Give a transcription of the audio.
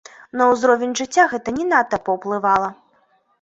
На ўзровень жыцця гэта не надта паўплывала.